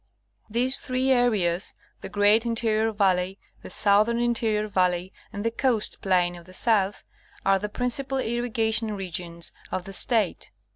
These three areas — the great interior valley, the southern interior valley, and the coast plain of the south — are the principal irrigation regions of the State.